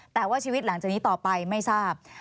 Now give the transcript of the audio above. แต่ว่าชีวิตหลังจากนี้ต่อไปไม่ทราบ